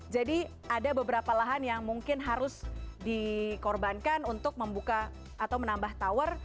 jadi ada beberapa lahan yang mungkin harus dikorbankan untuk membuka atau menambah tower